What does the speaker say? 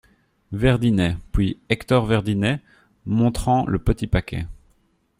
Verdinet ; puis Hector Verdinet , montrant le petit paquet.